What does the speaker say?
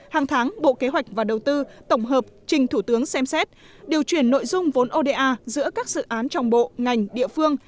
hàng tháng bộ kế hoạch và đầu tư tổng hợp trình thủ tướng xem xét điều chuyển nội dung vốn oda giữa các dự án trong bộ ngành địa phương